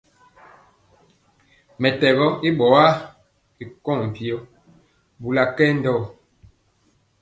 Mɛtɛgɔ i ɓɔlya ri kɔŋ mpyɔ, bula kendɔ won.